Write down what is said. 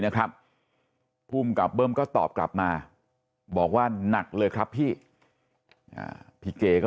นะครับภูมิกับเบิ้มก็ตอบกลับมาบอกว่าหนักเลยครับพี่พี่เก๋ก็